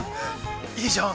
◆いいじゃん。